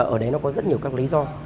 ở đấy nó có rất nhiều các lý do